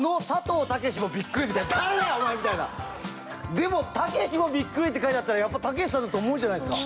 でも「たけしもびっくり！」って書いてあったらやっぱたけしさんだと思うじゃないですか。